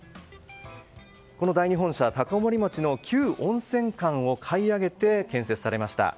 高森町の旧温泉館を買い上げて建設されました。